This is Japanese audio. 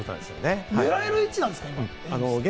狙える位置なんですか？